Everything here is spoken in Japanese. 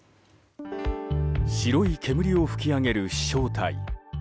白い煙を噴き上げる飛翔体。